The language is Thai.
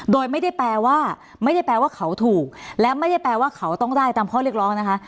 โดยไม่ได้แปลว่าไม่ได้แปลว่าเขาถูกและไม่ได้แปลว่าเขาต้องได้ตามข้อเรียกร้องนะคะ